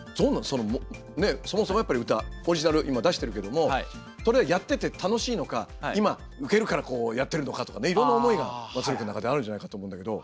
そのそもそもやっぱり歌オリジナル今出してるけどもそれはやってて楽しいのか今ウケるからやってるのかとかねいろんな思いが松浦君の中であるんじゃないかと思うんだけど。